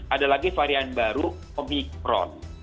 ada lagi varian baru omikron